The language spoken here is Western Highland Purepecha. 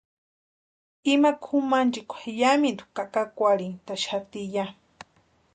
Ima kʼumanchikwa yámintu kakakwarhintʼaxati ya.